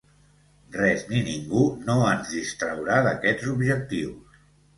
Res ni ningú no ens distraurà d’aquests objectius.